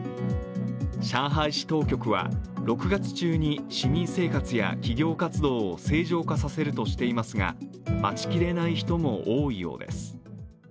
上海市当局は６月中に市民生活や企業活動を正常化させるとしていますが待ち切れない人も多いようです。